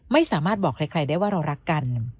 ไม่สามารถบอกใครได้ว่าเรารักกัน